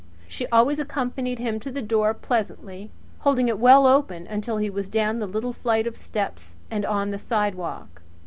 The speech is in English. She always accompanied him to the door pleasantly, holding it well open until he was down the little flight of steps and on the sidewalk.